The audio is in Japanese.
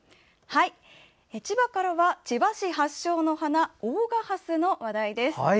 千葉からは千葉市発祥の花大賀ハスの話題です。